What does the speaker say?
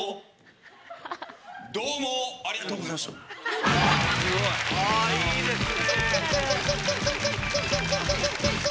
どうもありがとうございました。いいですね。